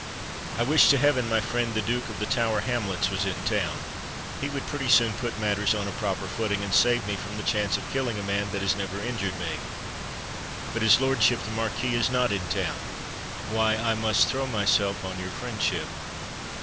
I wish to heaven my friend the Duke of the Tower Hamlets was in town—he would pretty soon put matters on a proper footing, and save me from the chance of killing a man that has never injured me. But as his lordship the Marquis is not in town, why—I must throw myself on your friendship."